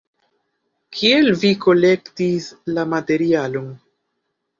Kiel vi kolektis la materialon?